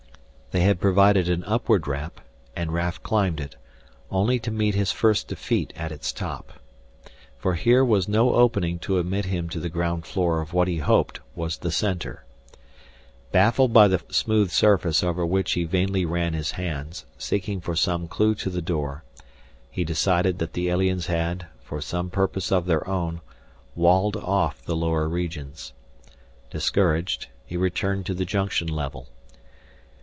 They had provided an upward ramp, and Raf climbed it, only to meet his first defeat at its top. For here was no opening to admit him to the ground floor of what he hoped was the Center. Baffled by the smooth surface over which he vainly ran his hands seeking for some clue to the door, he decided that the aliens had, for some purpose of their own, walled off the lower regions. Discouraged, he returned to the junction level.